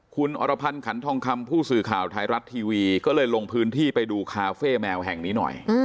คุณอรพันธ์ขันทองคำผู้สื่อข่าวไทยรัฐทีวีก็เลยลงพื้นที่ไปดูคาเฟ่แมวแห่งนี้หน่อย